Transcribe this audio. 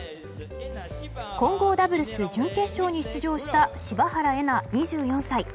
混合ダブルス準決勝に出場した柴原瑛菜、２４歳。